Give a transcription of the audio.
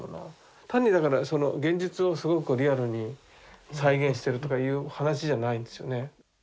単にだからその現実をすごくリアルに再現してるとかいう話じゃないんですよね。